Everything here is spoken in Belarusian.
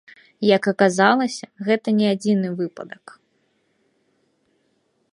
Як аказалася, гэта не адзіны выпадак.